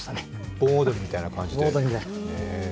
盆踊りみたいな感じで。